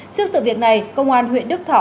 trước sự việc này công an huyện đức thỏ